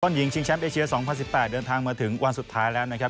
หญิงชิงแชมป์เอเชีย๒๐๑๘เดินทางมาถึงวันสุดท้ายแล้วนะครับ